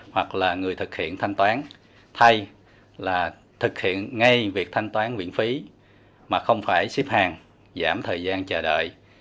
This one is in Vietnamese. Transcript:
hoặc là người thực hiện thanh toán thay là thực hiện ngay việc thanh toán viện phí mà không phải xếp hàng giảm thời gian chờ đợi